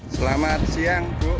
selamat siang bu